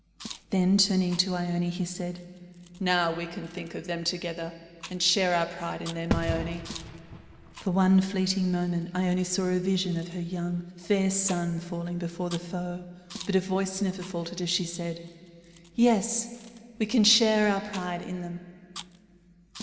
Then, turning to Ione, he said: "Now we can think of them together, and share our pride in them, Ione." For one fleeting moment Ione saw a vision of her young, fair son falling before the foe, but her voice never faltered as she said: "Yes, we can share our pride in them."